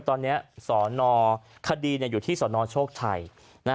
ตอนนี้สรนคดีอยู่ที่สรนโฉงทลาย